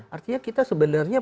artinya kita sebenarnya